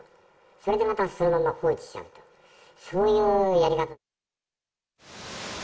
それでまたそのまま放置しちゃう、そういうやり方。